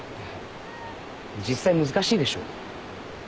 実際難しいでしょ？